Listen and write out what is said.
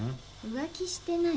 浮気してない？